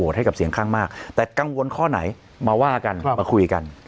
แต่กังวลข้อไหนมาว่ากันมาคุยกัน